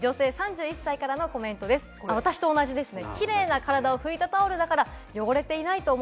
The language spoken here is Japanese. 私と同じですね。